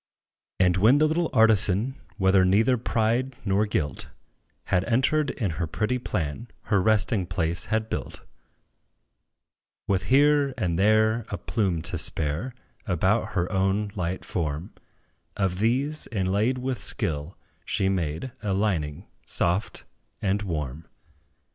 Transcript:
And when the little artisan, While neither pride nor guilt Had entered in her pretty plan, Her resting place had built; With here and there a plume to spare, About her own light form, Of these, inlaid with skill, she made A lining soft and warm.